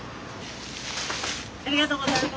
ありがとうございます。